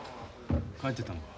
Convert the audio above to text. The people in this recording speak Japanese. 帰ってたのか。